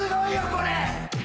これ。